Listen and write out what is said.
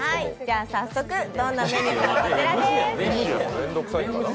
じゃあ早速、どんなメニューなのか、こちらです。